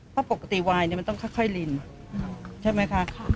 เพราะปกติวายมันต้องค่อยลินใช่ไหมคะ